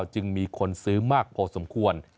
จึงมีคนซื้อมากพอสมควร